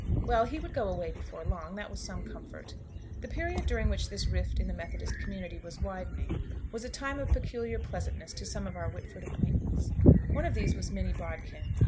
Well, he would go away before long; that was some comfort. The period during which this rift in the Methodist community was widening, was a time of peculiar pleasantness to some of our Whitford acquaintance. Of these was Minnie Bodkin.